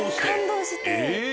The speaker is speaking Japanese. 感動して。